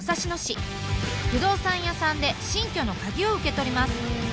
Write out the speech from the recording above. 不動産屋さんで新居の鍵を受け取ります。